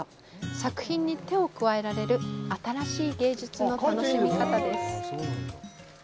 作品に手を加えられる、新しい芸術の楽しみ方です。